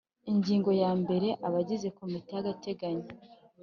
Ingingo ya mbere Abagize Komite yagategenyo